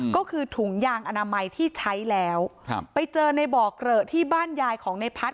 ก็คือถุงยางอนามัยที่ใช้แล้วครับไปเจอในบ่อเกลอะที่บ้านยายของในพัฒน